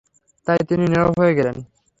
তাই তিনি নীরব হয়ে গেলেন।